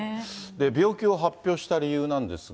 病気を発表した理由なんですが。